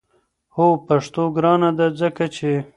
هو پښتو ګرانه ده! ځکه چې